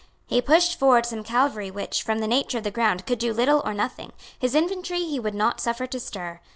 He pushed forward some cavalry which, from the nature of the ground, could do little or nothing. His infantry he would not suffer to stir.